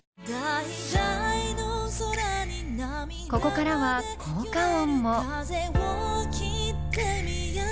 ここからは効果音も。